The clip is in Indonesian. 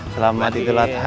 selamat idul adha